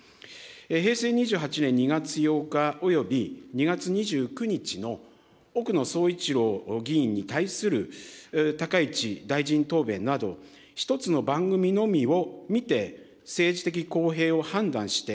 平成２８年２月８日および２月２９日の奥野総一郎議員に対する高市大臣答弁など、１つの番組のみを見て、政治的公平を判断して、